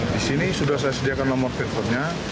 di sini sudah saya sediakan nomor teleponnya